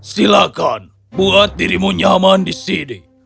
silakan buat dirimu nyaman di sini